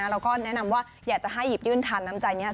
เราก็แนะนำว่าอยากจะให้หยิบยื่นทานน้ำใจนี้